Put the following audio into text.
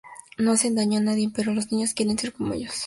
No hacen daño a nadie pero los niños quieren ser como ellos.